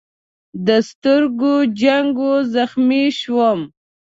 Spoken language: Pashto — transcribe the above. د سترګو جنګ و، زخمي شوم.